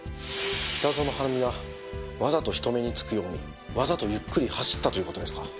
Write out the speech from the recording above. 北園晴美はわざと人目に付くようにわざとゆっくり走ったという事ですか？